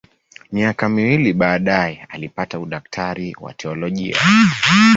Miaka miwili baadaye alipata udaktari wa teolojia.